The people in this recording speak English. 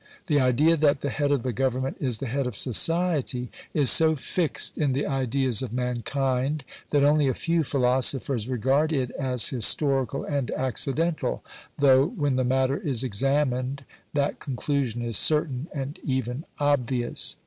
The idea that the head of the Government is the head of society is so fixed in the ideas of mankind that only a few philosophers regard it as historical and accidental, though when the matter is examined, that conclusion is certain and even obvious.